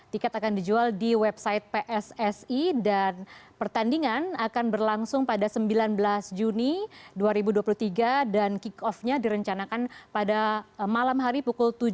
tiket akan dijual di website pssi dan pertandingan akan berlangsung pada sembilan belas juni dua ribu dua puluh tiga dan kick off nya direncanakan pada malam hari pukul tujuh